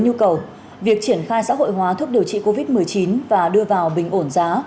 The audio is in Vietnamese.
nhu cầu việc triển khai xã hội hóa thuốc điều trị covid một mươi chín và đưa vào bình ổn giá